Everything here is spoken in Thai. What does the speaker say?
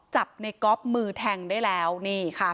จับในก๊อฟมือแทงได้แล้วนี่ค่ะ